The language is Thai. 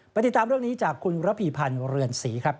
ติดตามเรื่องนี้จากคุณระพีพันธ์เรือนศรีครับ